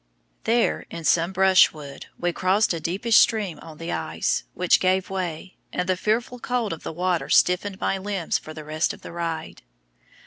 There, in some brushwood, we crossed a deepish stream on the ice, which gave way, and the fearful cold of the water stiffened my limbs for the rest of the ride.